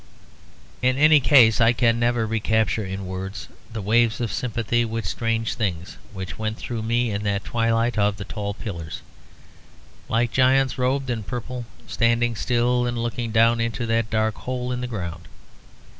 In any case I can never recapture in words the waves of sympathy with strange things that went through me in that twilight of the tall pillars, like giants robed in purple, standing still and looking down into that dark hole in the ground.